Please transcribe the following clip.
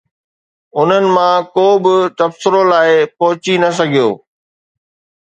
انهن مان ڪو به تبصرو لاء پهچي نه سگهيو